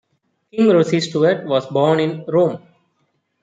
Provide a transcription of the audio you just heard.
Kim Rossi Stuart was born in Rome.